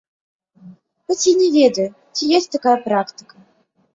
Хоць я не ведаю, ці ёсць такая практыка.